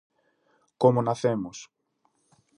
Como nacemos.